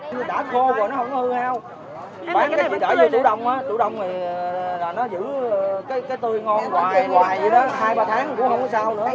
nó giữ cái tươi ngon hoài hoài vậy đó hai ba tháng cũng không có sao nữa